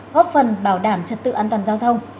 góp phần bảo đảm trật tự an toàn giao thông